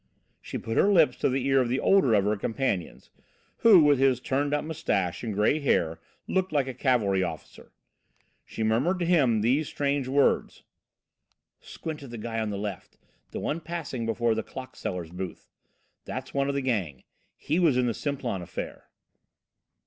She put her lips to the ear of the older of her companions, who, with his turned up moustache and grey hair, looked like a cavalry officer. She murmured to him these strange words: "Squint at the guy on the left, the one passing before the clock seller's booth. That's one of the gang. He was in the Simplon affair."